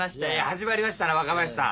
始まりましたな若林さん。